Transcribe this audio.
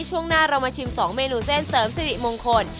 ช่วงหน้าเรามาชิม๒เมนูเส้นเสริมสิริมงคล